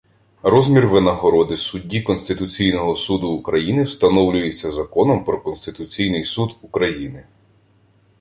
Розмір винагороди судді Конституційного Суду України встановлюється законом про Конституційний Суд України